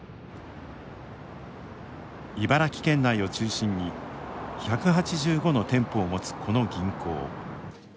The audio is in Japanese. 茨城県内を中心に１８５の店舗を持つ、この銀行。